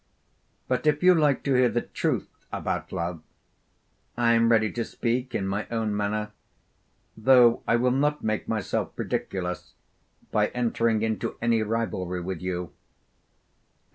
But if you like to hear the truth about love, I am ready to speak in my own manner, though I will not make myself ridiculous by entering into any rivalry with you.